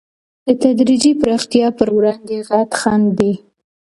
د تدریجي پراختیا پر وړاندې غټ خنډ دی.